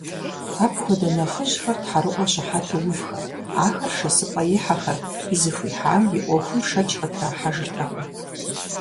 Апхуэдэ нэхъыжьхэр тхьэрыӀуэ щыхьэту увхэрт, ахэр шэсыпӀэ ихьэхэрт, зыхуихьам и Ӏуэхум шэч къытрахьэжыртэкъым.